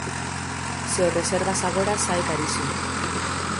Se o reservas agora sae carísimo.